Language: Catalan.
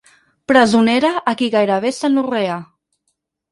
Presonera a qui gairebé s'anorrea.